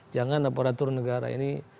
jangan aparatur negara ini